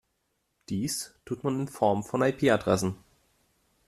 Dies tut man in Form von IP-Adressen.